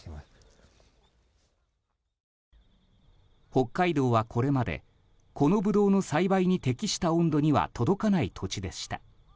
北海道はこれまでこのブドウの栽培に適した温度には届かない土地でした。